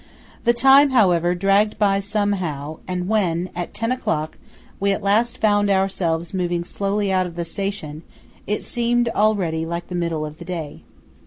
The time, however, dragged by somehow, and when at ten o'clock we at last found ourselves moving slowly out of the station, it seemed already like the middle of the day.